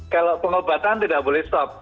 kalau pengobatan tidak boleh stop